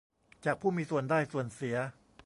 จากผู้มีส่วนได้ส่วนเสีย